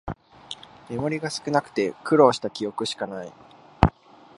メモリが少なくて苦労した記憶しかない